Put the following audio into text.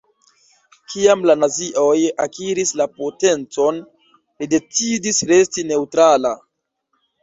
Kiam la nazioj akiris la potencon, li decidis resti neŭtrala.